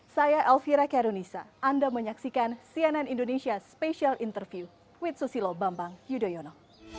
saya elvira karunisa anda menyaksikan cnn indonesia special interview with susilo bambang yudhoyono